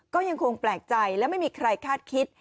ก็ยังคงแปลกใจและไม่มีใครคาดคิด